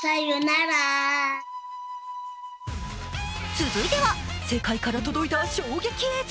続いては世界から届いた衝撃映像。